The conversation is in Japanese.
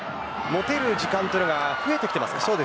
持てる時間というのが増えてきています。